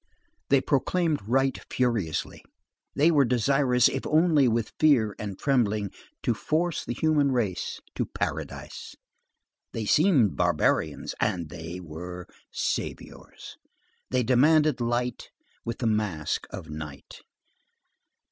They proclaimed right furiously; they were desirous, if only with fear and trembling, to force the human race to paradise. They seemed barbarians, and they were saviours. They demanded light with the mask of night.